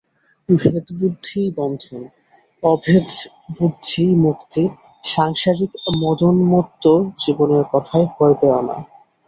ভেদবুদ্ধিই বন্ধন, অভেদবুদ্ধিই মুক্তি, সাংসারিক মদোন্মত্ত জীবের কথায় ভয় পেও না।